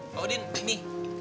pak udin ini